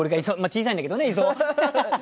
小さいんだけどね磯。